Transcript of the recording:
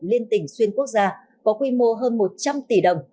liên tỉnh xuyên quốc gia có quy mô hơn một trăm linh tỷ đồng